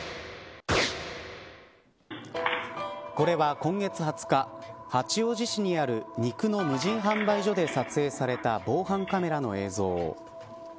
これは今月２０日八王子市にある肉の無人販売所で撮影された防犯カメラの映像。